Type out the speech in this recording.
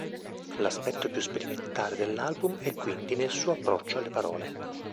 L'aspetto più sperimentale dell'album è quindi nel suo approccio alle parole.